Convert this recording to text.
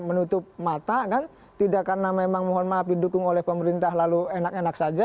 menutup mata kan tidak karena memang mohon maaf didukung oleh pemerintah lalu enak enak saja